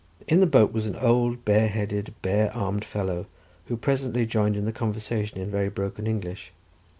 In the boat was an old bareheaded, bare armed fellow, who presently joined in the conversation in very broken English.